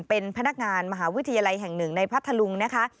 เป็นพนักงานมหาวิทยาลัยแห่งหนึ่งในพัทธลุงนะคะ